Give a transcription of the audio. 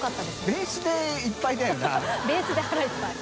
ベースで腹いっぱい。